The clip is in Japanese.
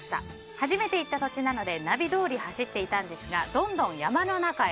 初めて行った土地なのでナビどおり走っていたのですがどんどん山の中へ。